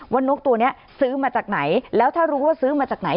นกตัวนี้ซื้อมาจากไหนแล้วถ้ารู้ว่าซื้อมาจากไหน